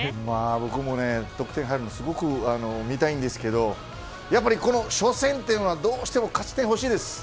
僕も、得点が入るのすごく見たいんですけれどやっぱり初戦というのはどうしても勝ち点ほしいです。